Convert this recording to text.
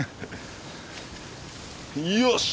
よし！